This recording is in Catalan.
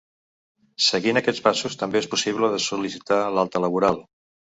Seguint aquests passos també és possible de sol·licitar l’alta laboral.